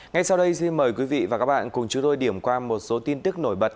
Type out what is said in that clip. ngay sau đây xin mời quý vị và các bạn cùng chúng tôi điểm qua một số tin tức nổi bật